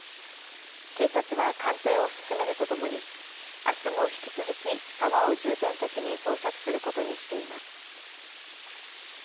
警察は鑑定を進めるとともにあすも引き続き沢を重点的に捜索することにしています。